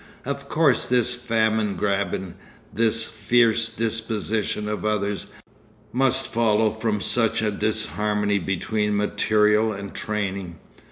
Of course this famine grabbing, this fierce dispossession of others, must follow from such a disharmony between material and training.